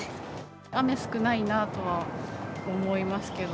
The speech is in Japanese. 雨少ないなとは思いますけど。